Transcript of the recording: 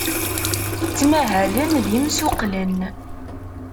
Ttmahalen d imsuqqlen.